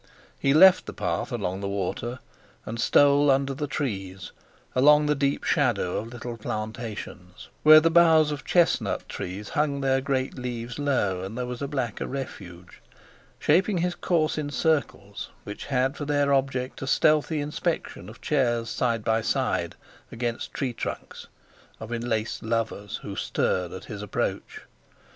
He left the path along the water and stole under the trees, along the deep shadow of little plantations, where the boughs of chestnut trees hung their great leaves low, and there was blacker refuge, shaping his course in circles which had for their object a stealthy inspection of chairs side by side, against tree trunks, of enlaced lovers, who stirred at his approach.